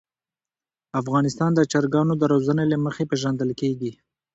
افغانستان د چرګانو د روزنې له مخې پېژندل کېږي.